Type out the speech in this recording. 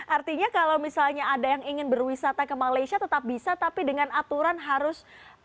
artinya kalau misalnya ada yang ingin berwisata ke malaysia tetap bisa tapi dengan aturan harus